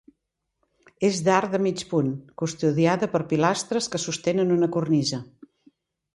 És d'arc de mig punt, custodiada per pilastres que sostenen una cornisa.